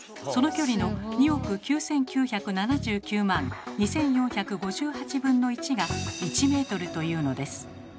その距離の２億９，９７９万２，４５８分の１が１ｍというのです。